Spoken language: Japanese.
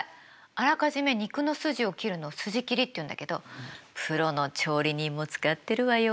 あらかじめ肉の筋を切るのを筋切りっていうんだけどプロの調理人も使ってるわよ。